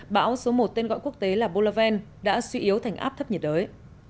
bão số một tên gọi quốc tế là bollaven đã suy yếu thành áp thấp nhiệt đới